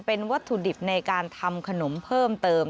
เป็นวัตถุดิบในการทำขนมเพิ่มเติม